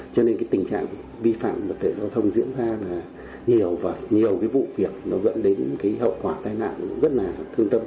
cho nên cái tình trạng vi phạm luật tệ giao thông diễn ra là nhiều và nhiều cái vụ việc nó dẫn đến cái hậu quả tai nạn rất là thương tâm